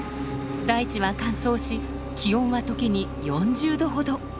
大地は乾燥し気温は時に４０度ほど。